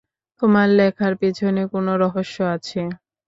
তোমার লেখার পিছনে কোন রহস্য আছে।